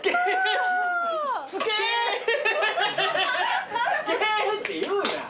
「つけ！？」って言うな。